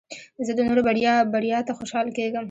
زه د نورو بریا ته خوشحاله کېږم.